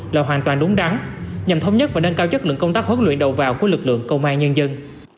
là hoàn toàn đúng đắn nhằm thống nhất và nâng cao chất lượng công tác huấn luyện đầu vào của lực lượng công an nhân dân